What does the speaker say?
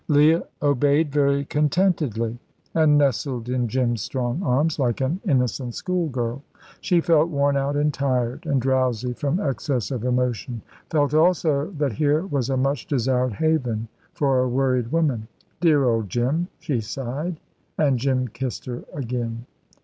Leah obeyed very contentedly, and nestled in Jim's strong arms like an innocent schoolgirl. She felt worn out and tired, and drowsy from excess of emotion; felt also that here was a much desired haven for a worried woman. "Dear old Jim!" she sighed, and Jim kissed her again.